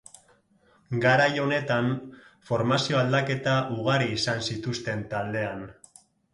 Garai honetan, formazio aldaketa ugari izan zituzten taldean.